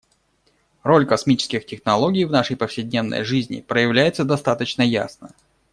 Роль космических технологий в нашей повседневной жизни проявляется достаточно ясно.